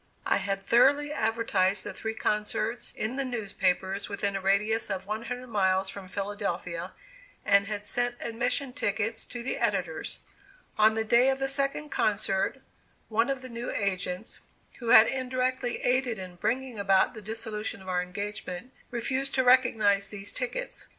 I had thoroughly advertised the three concerts, in the newspapers within a radius of one hundred miles from Philadelphia, and had sent admission tickets to the editors. On the day of the second concert, one of the new agents, who had indirectly aided in bringing about the dissolution of our engagement, refused to recognize these tickets.